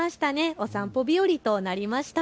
お散歩日和となりました。